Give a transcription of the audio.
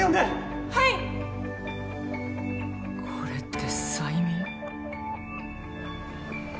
・はいこれって催眠？